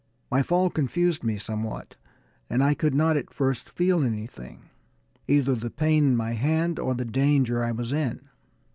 My fall confused me somewhat, and I could not at first feel anything, either the pain in my hand or the danger I was in.